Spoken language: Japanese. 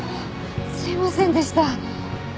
すいませんでした。